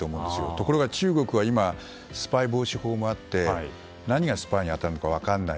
ところが中国は今、スパイ防止法もあって何がスパイに当たるのか分からない。